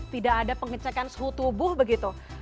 tidak ada pengecekan suhu tubuh begitu